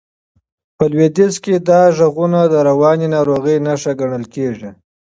په لوېدیځ کې دا غږونه د رواني ناروغۍ نښه ګڼل کېږي.